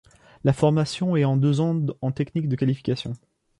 La formation est en deux ans en technique de qualification.